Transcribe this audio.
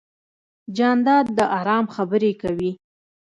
جانداد د ارام خبرې کوي.